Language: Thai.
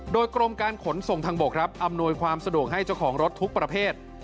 โดยกรมการขนส่งทางบกครับอำนวยความสะดวกให้เจ้าของรถทุกประเภท